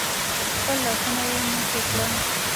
خپل لاسونه يې موټي کړل.